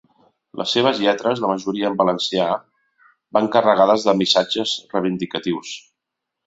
Les seves lletres, la majoria en valencià, van carregades de missatges reivindicatius.